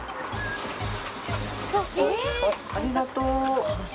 ありがとう。